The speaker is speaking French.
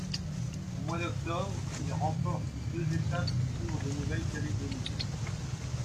Au mois d'octobre, il remporte deux étapes du Tour de Nouvelle-Calédonie.